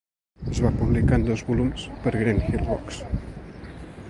Es va publicar en dos volums per Greenhill Books.